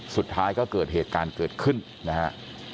สุดท้ายก็เกิดเหตุการณ์เกิดขึ้นนะฮะ